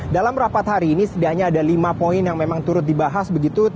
dalam rapat hari ini setidaknya ada lima poin yang memang turut dibahas begitu